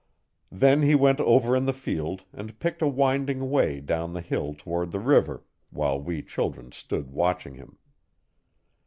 Then he went over in the field and picked a winding way down the hill toward the river, while we children stood watching him.